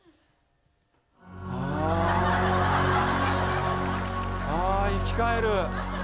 ああああ生き返る。